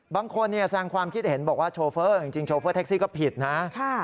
บางคนแสงความคิดเห็นบอกว่าโชเฟอร์จริงโชเฟอร์แท็กซี่ก็ผิดนะ